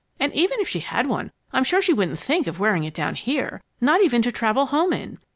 And even if she had one, I'm sure she wouldn't think of wearing it down here, not even to travel home in.